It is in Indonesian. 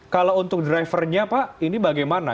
kalau untuk drivernya pak ini bagaimana